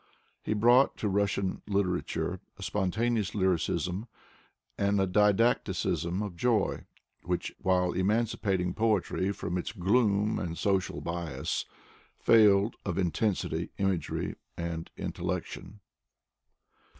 He brought lo Russian liter ature a spontaneous lyricism and a didacticism of joy which, while emancipating poetry from its gloom and social bias, failed of intensity, imagery, and intellection.